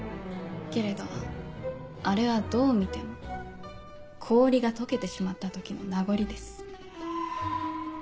けれどあれはどう見ても氷が溶けてしまった時の名残です。